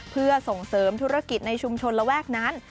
เพื่อส่งเสริมธุรกิจในชุมชนระแวกนั้น